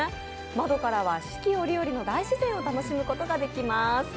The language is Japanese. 窓からは、四季折々の大自然を楽しむことができます。